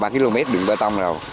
ba km đường bê tông rồi